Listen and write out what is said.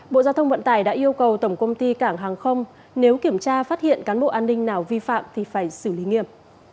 bộ giao thông vận tải đã yêu cầu tổng công ty cảng hàng không nếu kiểm tra phát hiện cán bộ an ninh nào vi phạm thì phải xử lý nghiêm